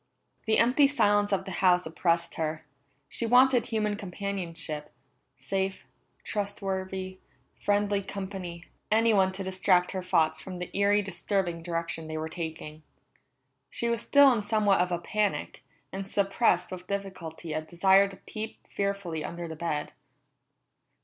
The empty silence of the house oppressed her. She wanted human companionship safe, trustworthy, friendly company, anyone to distract her thoughts from the eerie, disturbing direction they were taking. She was still in somewhat of a panic, and suppressed with difficulty a desire to peep fearfully under the bed.